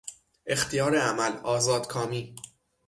اختیار عمل، آزادکامی